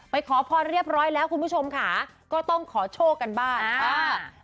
ขอพรเรียบร้อยแล้วคุณผู้ชมค่ะก็ต้องขอโชคกันบ้างอ่า